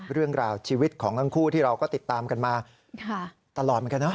เรื่องราวชีวิตของทั้งคู่ที่เราก็ติดตามกันมาตลอดเหมือนกันนะ